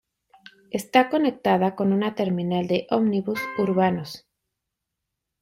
Está conectada con una terminal de ómnibus urbanos.